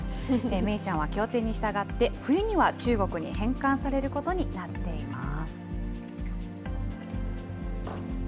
メイシャンは協定に従って、冬には中国に返還されることになっています。